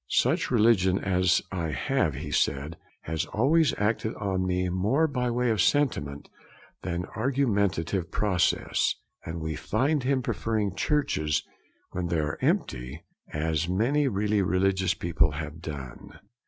'Such religion as I have,' he said, 'has always acted on me more by way of sentiment than argumentative process'; and we find him preferring churches when they are empty, as many really religious people have done.